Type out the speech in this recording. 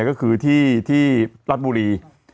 ก็คือที่รัฐบุรี